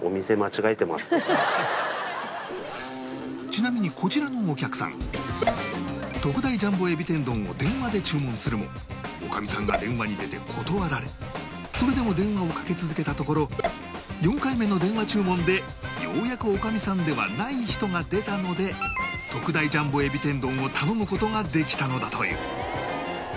ちなみにこちらのお客さん特大ジャンボ海老天丼を電話で注文するも女将さんが電話に出て断られそれでも電話をかけ続けたところ４回目の電話注文でようやく女将さんではない人が出たので特大ジャンボ海老天丼を頼む事ができたのだという